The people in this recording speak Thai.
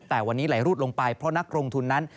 แต่วันนี้ไหลรูดลงไปเพราะนักลงทุนนั้น